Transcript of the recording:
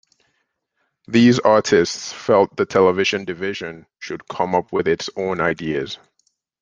These artists felt the television division should come up with its own ideas.